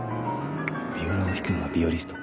ビオラを弾くのがビオリスト。